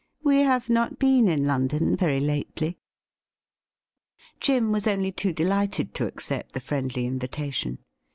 We have not been in London very lately.' Jim was only too delighted to accept the friendly in vitation.